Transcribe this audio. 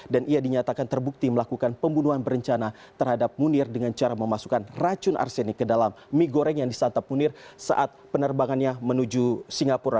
dan ia dinyatakan terbukti melakukan pembunuhan berencana terhadap munir dengan cara memasukkan racun arsenik ke dalam mie goreng yang disantap munir saat penerbangannya menuju singapura